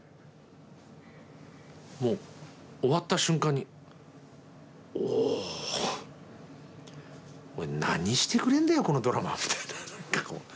もう終わった瞬間に「お何してくれんだよこのドラマ」みたいな何かこう。